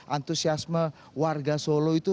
antusiasme warga solo itu